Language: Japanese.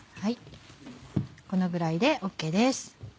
このぐらいでＯＫです。